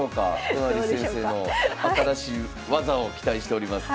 都成先生の新しい技を期待しております。